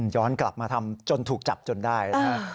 ย้อนกลับมาทำจนถูกจับจนได้นะฮะ